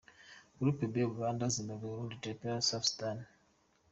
Group B: Uganda, Zimbabwe, Burundi, Ethiopia, South Sudan.